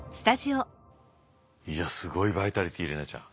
いやすごいバイタリティー怜奈ちゃん。